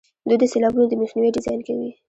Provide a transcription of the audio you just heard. دوی د سیلابونو د مخنیوي ډیزاین کوي.